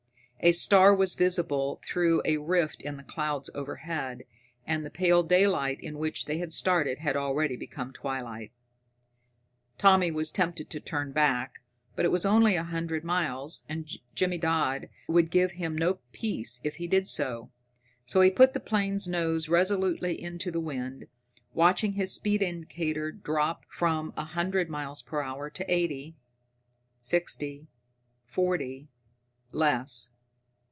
A star was visible through a rift in the clouds overhead, and the pale daylight in which they had started had already become twilight. Tommy was tempted to turn back, but it was only a hundred miles, and Jimmy Dodd would give him no peace if he did so. So he put the plane's nose resolutely into the wind, watching his speed indicator drop from a hundred miles per hour to eighty, sixty, forty less.